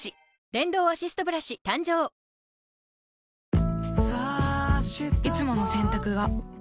電動アシストブラシ誕生いつもの洗濯が